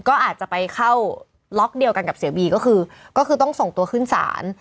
ก็อาจจะไปเข้าล็อกเดียวกันกับเสียบีก็คือก็คือต้องส่งตัวขึ้นศาล